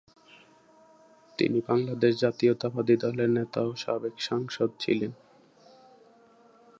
তিনি বাংলাদেশ জাতীয়তাবাদী দলের নেতা ও সাবেক সাংসদ ছিলেন।